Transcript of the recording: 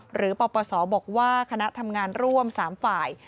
ปปศบอกว่าคณะทำงานร่วม๓ฝ่าย